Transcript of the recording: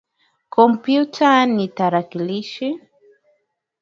Kompyuta ni tarakilishi